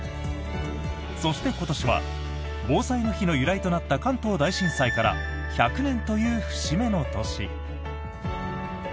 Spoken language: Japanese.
そして、今年は防災の日の由来となった関東大震災から１００年という節目の年。